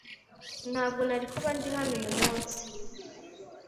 ntabwo nari kuba ndi hano uyu munsi ....